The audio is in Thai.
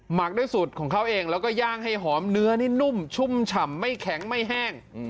หมักด้วยสูตรของเขาเองแล้วก็ย่างให้หอมเนื้อนี่นุ่มชุ่มฉ่ำไม่แข็งไม่แห้ง